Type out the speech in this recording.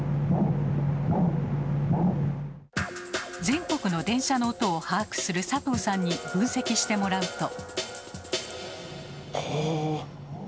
全国の電車の音を把握する佐藤さんに分析してもらうと。